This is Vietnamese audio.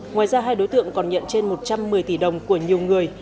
ngoài ra hai đối tượng còn nhận trên một trăm một mươi tỷ đồng của nhiều người